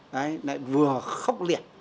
đấy lại vừa khốc liệt